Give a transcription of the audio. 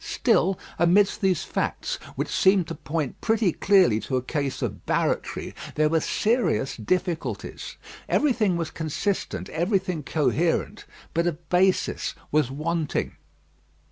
Still, amidst these facts, which seemed to point pretty clearly to a case of barratry, there were serious difficulties. Everything was consistent; everything coherent; but a basis was wanting.